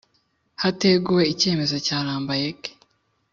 Hateguwe icyemezo cya lambaek